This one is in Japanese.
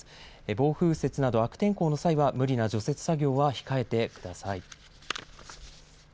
暴風雪など悪天候の際は無理な除雪作業は控えてください。